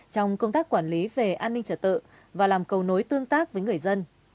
trong công tác quản lý về an ninh trật tự và làm cầu nối tương tác với người dân